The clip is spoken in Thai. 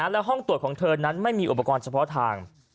และห้องตรวจของเธอนั้นไม่มีอุปกรณ์เฉพาะทาง